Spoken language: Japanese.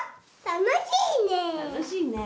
楽しいね。